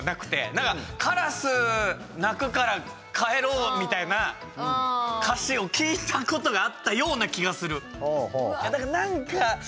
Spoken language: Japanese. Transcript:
なんか、カラス鳴くから帰ろうみたいな歌詞を聞いたことがあったような気がする。